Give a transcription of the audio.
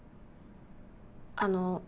あの。